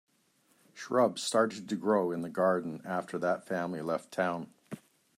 Shrubs started to grow in the garden after that family left town.